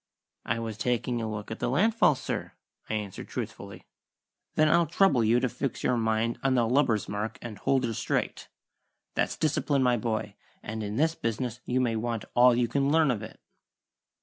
"I was taking a look at the land fall, sir," I answered truthfully. "Then I'll trouble you to fix your mind on the lubber's mark and hold her straight. That's discipline, my boy, and in this business you may want all you can learn of it."